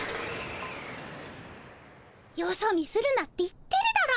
よそ見するなって言ってるだろ。